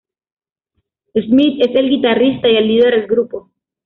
Smith es el guitarrista y el líder del grupo.